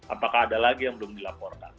apakah ada lagi yang belum dilaporkan